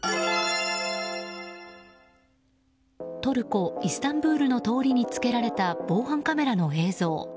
トルコ・イスタンブールの通りにつけられた防犯カメラの映像。